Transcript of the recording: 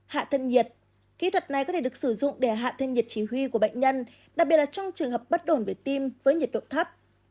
hạ thân nhiệt kỹ thuật này có thể được sử dụng để hạ thân nhiệt chỉ huy của bệnh nhân đặc biệt là trong trường hợp bất ổn về tim với nhiệt độ thấp